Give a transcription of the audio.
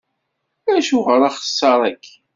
Acuɣer axeṣṣar-agi?